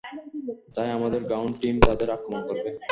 তাই আমাদের ground team তাদের আক্রমণ করবে।